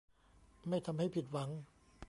ไม่ทำให้ผิดหวัง